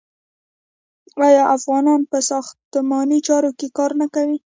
آیا افغانان په ساختماني چارو کې کار نه کوي؟